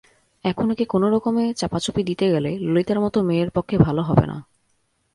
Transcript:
এখন একে কোনোরকমে চাপাচুপি দিতে গেলে ললিতার মতো মেয়ের পক্ষে ভালো হবে না।